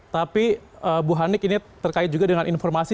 tapi bu hanik ini terkait juga dengan informasi